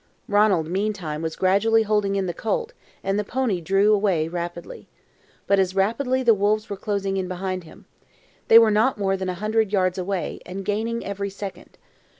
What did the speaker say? Ranald meantime was gradually holding in the colt, and the pony drew away rapidly. But as rapidly the wolves were closing in behind him. They were not more than a hundred yards away, and gaining every second.